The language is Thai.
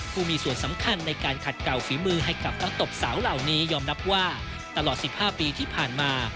ผู้มีส่วนสำคัญในการขัดเก่าฝีมือให้กับนักตบสาวเหล่านี้ยอมรับว่าตลอด๑๕ปีที่ผ่านมา